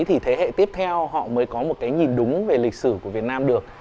thì thế hệ tiếp theo họ mới có một cái nhìn đúng về lịch sử của việt nam được